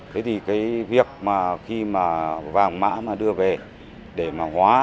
thế thì cái việc mà khi mà vàng mã mà đưa về để mà hóa